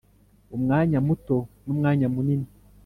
umwanya muto n'umwanya munini